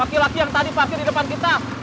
laki laki yang tadi pasir di depan kita